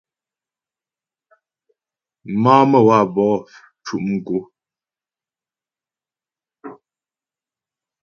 Má'a Məwabo cʉ' mkǒ.